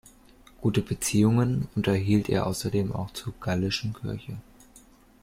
Gute Beziehungen unterhielt er außerdem auch zur gallischen Kirche.